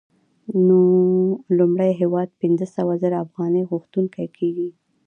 نو لومړی هېواد پنځه سوه زره افغانۍ غوښتونکی کېږي